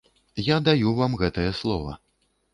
Я даю вам гэтае слова.